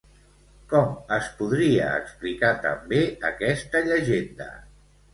Com es podria explicar també aquesta llegenda?